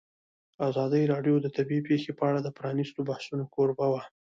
ازادي راډیو د طبیعي پېښې په اړه د پرانیستو بحثونو کوربه وه.